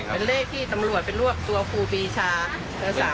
เป็นเลขที่ตำรวจเป็นร่วมตัวฟูปีชา